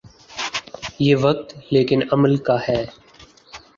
یہ وقت لیکن عمل کا ہے۔